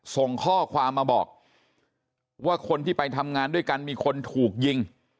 ส่งข้อความมาบอกว่าคนที่ไปทำงานด้วยกันมีคนถูกยิง